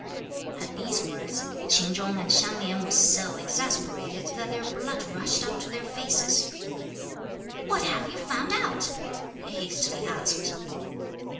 At these words, Ch'in Chung and Hsiang Lin were so exasperated that their blood rushed up to their faces. "What have you found out?" they hastily asked.